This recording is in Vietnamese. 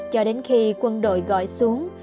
cho đến khi quân đội gọi xuống